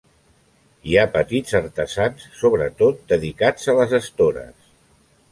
Hi ha petits artesans sobretot dedicats a les estores.